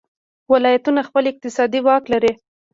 ولایتونه خپل اقتصادي واک لري.